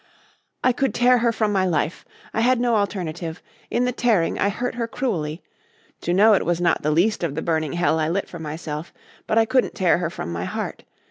"I could tear her from my life. I had no alternative. In the tearing I hurt her cruelly. To know it was not the least of the burning hell I lit for myself. But I couldn't tear her from my heart.